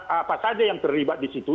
apa saja yang terlibat di situ